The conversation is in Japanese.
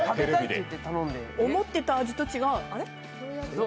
思ってた味と違う！